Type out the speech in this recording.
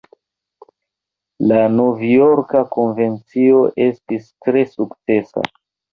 La Novjorka Konvencio estas tre sukcesa.